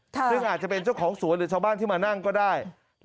ซึ่งอาจจะเป็นเจ้าของสวนหรือชาวบ้านที่มานั่งก็ได้